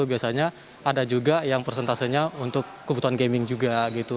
biasanya ada juga yang persentasenya untuk kebutuhan gaming juga gitu